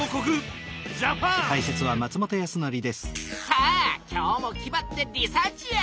さあ今日も気ばってリサーチや！